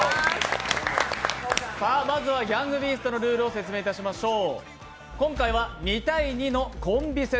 まずは「ギャングビースト」のルールを説明いたしましょう。